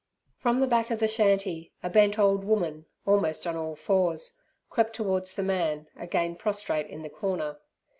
From the back of the shanty, a bent old woman, almost on all fours, crept towards the man, again prostrate in the corner.